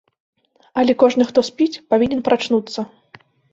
Але кожны, хто спіць, павінен прачнуцца.